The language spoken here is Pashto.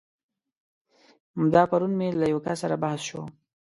همدا پرون مې له يو کس سره بحث شو.